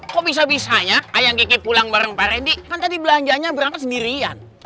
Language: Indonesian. kok bisa bisanya ayang kiki pulang bareng pak rendy kan tadi belanjanya berangkat sendirian